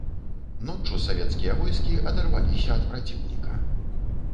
Ноччу савецкія войскі адарваліся ад праціўніка.